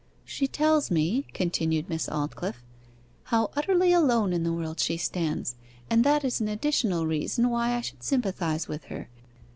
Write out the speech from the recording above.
'She tells me,' continued Miss Aldclyffe, 'how utterly alone in the world she stands, and that is an additional reason why I should sympathize with her.